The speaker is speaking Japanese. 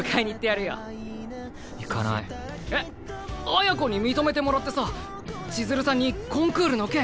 綾子に認めてもらってさ千鶴さんにコンクールの件。